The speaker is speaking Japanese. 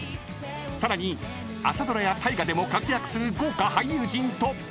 さらに朝ドラや大河でも活躍する豪華俳優陣と］